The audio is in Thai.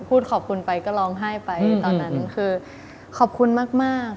พูดขอบคุณไปก็ร้องไห้ไปตอนนั้นคือขอบคุณมาก